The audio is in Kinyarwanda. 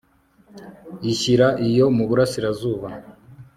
ishyira iyo mu burasirazuba